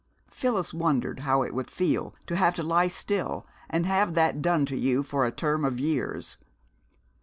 Phyllis wondered how it would feel to have to lie still and have that done to you for a term of years.